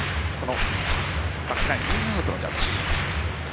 イン、アウトのジャッジ。